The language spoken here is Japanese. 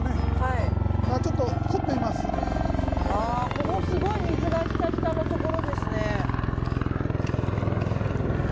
ここ、すごい水がひたひたのところですね。